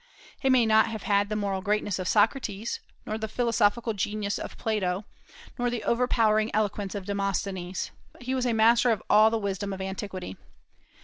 He may not have had the moral greatness of Socrates, nor the philosophical genius of Plato, nor the overpowering eloquence of Demosthenes, but he was a master of all the wisdom of antiquity.